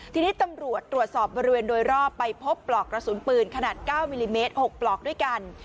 ทีนี้ตำรวจตรวจสอบบริเวณโดยรอบไปพบปลอกกระสุนปืนขนาด๙มิลลิเมตร๖ปลอกด้วยกัน